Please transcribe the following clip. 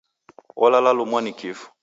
Olala lumwa ni kifu.